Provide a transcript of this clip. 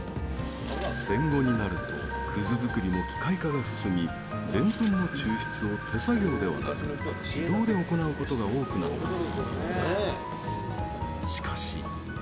戦後になると葛作りも機械化が進みデンプンの抽出を手作業ではなく自動で行うことが多くなったといいます。